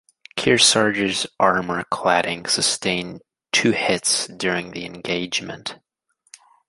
"Kearsarge"s armor cladding sustained two hits during the engagement.